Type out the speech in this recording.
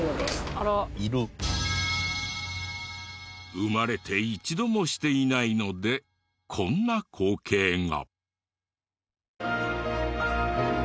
生まれて一度もしていないのでこんな光景が。